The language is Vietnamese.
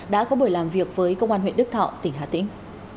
đã có buổi làm việc với công an huyện đức thọ tỉnh hà tĩnh